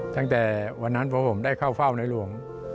ตั้งแต่วันนั้นเพราะผมได้เข้าเฝ้าในหลวง